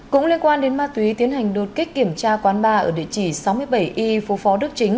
cũng liên quan đến ma túy tiến hành đột kích kiểm tra quán ba ở địa chỉ sáu mươi bảy y phố phó đức chính